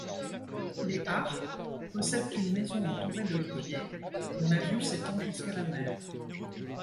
Les Arp possèdent une maison entourée d'oliviers dont la vue s'étend jusqu'à la mer.